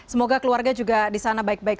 semoga keluarga juga di sana baik baik